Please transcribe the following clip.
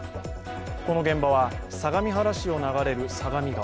ここの現場は相模原市を流れる相模川。